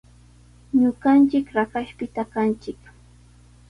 Ñuqanchik Raqashpita kanchik.